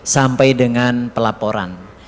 sampai dengan pelaporan